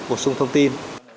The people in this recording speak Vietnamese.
tiếp bổ sung thông tin